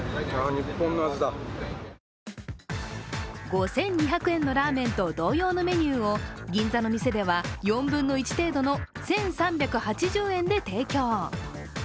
５２００円のラーメンと同様のメニューを銀座の店では、４分の１程度の１３８０円で提供。